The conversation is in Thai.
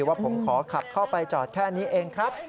ว่าผมขอขับเข้าไปจอดแค่นี้เองครับ